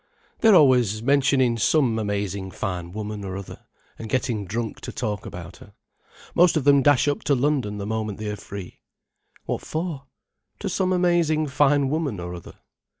"They're always mentioning some amazing fine woman or other, and getting drunk to talk about her. Most of them dash up to London the moment they are free." "What for?" "To some amazing fine woman or other."